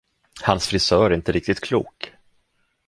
Hans frisör är inte riktigt klok.